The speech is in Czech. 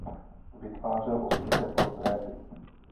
Vytvářel osobité portréty.